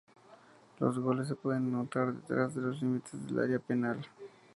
Los goles se pueden anotar detrás de los límites del área penal.